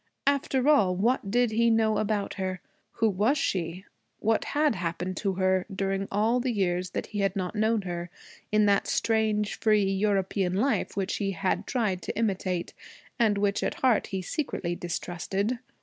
After all, what did he know about her? Who was she? What had happened to her, during all the years that he had not known her, in that strange free European life which he had tried to imitate, and which at heart he secretly distrusted?